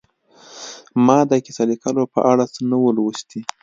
ما د کیسه لیکلو په اړه څه نه وو لوستي